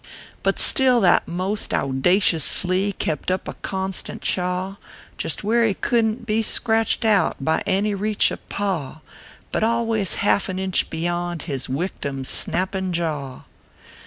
But still that most owdacious flea Kept up a constant chaw Just where he couldn t be scratched out By any reach of paw. But always half an inch beyond His wictim s snappin jaw.